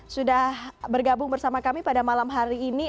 sudah bergabung bersama kami pada malam hari ini